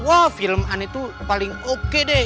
wah film an itu paling oke deh